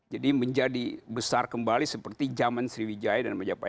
jadi menjadi besar kembali seperti zaman sriwijaya dan majapahit